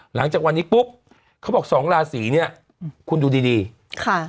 หลังจากวันนี้ปุ๊บเขาบอก๒ราศรีเนี่ยคุณดูดีค่ะ